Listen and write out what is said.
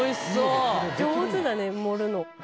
上手だね盛るの。